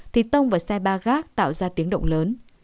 thì tông vào xe ba gác tạo ra tiếng động lớn